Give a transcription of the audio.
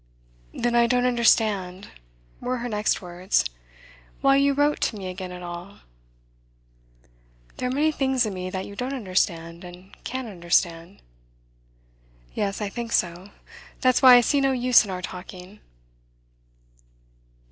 'Then I don't understand,' were her next words, 'why you wrote to me again at all.' 'There are many things in me that you don't understand, and can't understand.' 'Yes, I think so. That's why I see no use in our talking.